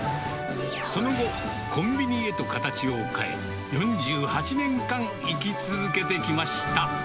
その後、コンビニへと形を変え、４８年間、生き続けてきました。